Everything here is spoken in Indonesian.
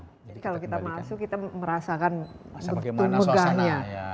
jadi kalau kita masuk kita merasakan betul megahnya